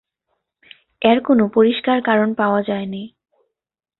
এর কোনো পরিষ্কার কারণ পাওয়া যায়নি।